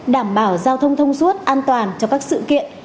đảm bảo giao thông thông suốt an toàn cho các sự kiện